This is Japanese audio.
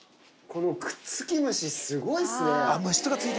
このくっつき虫すごいっすね。